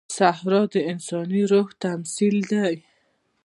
صحرا د انساني روح تمثیل دی.